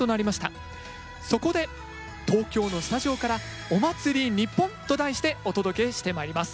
そこで東京のスタジオから「お祭りニッポン」と題してお届けしてまいります。